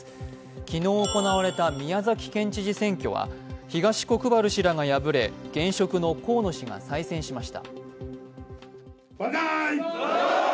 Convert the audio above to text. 昨日行われた宮崎県知事選挙は東国原氏らが敗れ、現職の河野氏が再選しました。